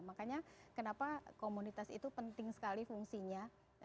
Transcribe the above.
makanya kenapa komunitas itu penting sekali fungsinya